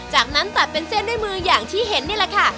จากนั้นตัดเป็นเส้นด้วยมืออย่างที่เห็นนี่แหละค่ะ